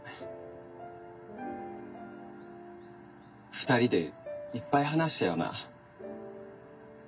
２人でいっぱい話したよな。